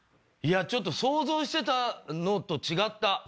いやちょっと想像してたのと違った。